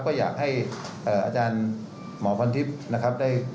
ก็อยากให้อาจารย์หมอพรทิพย์นะครับ